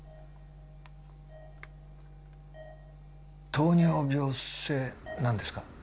糖尿病性何ですか？